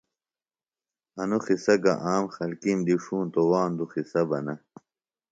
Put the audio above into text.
انوۡ قصہ گہ عام خلکیم دی ݜونتوۡ واندوۡ قِصہ بہ نہ